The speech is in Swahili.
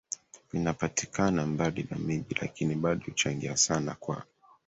vinapatikana mbali na miji lakini bado huchangia sana kwa